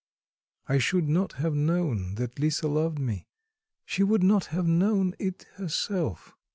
I should not have known that Lisa loved me; she would not have known it herself."